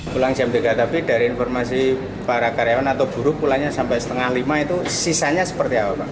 pulang jam tiga tapi dari informasi para karyawan atau buruh pulangnya sampai setengah lima itu sisanya seperti apa pak